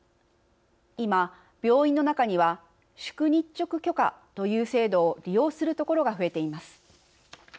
今、病院の中には宿日直許可という制度を利用するところが増えています。